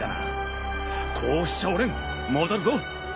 こうしちゃおれん戻るぞ！